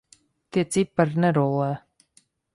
Tie cipari nerullē.